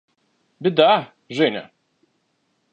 – Беда, Женя!